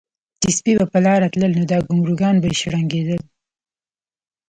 چې سپي به پۀ لاره تلل نو دا ګونګروګان به شړنګېدل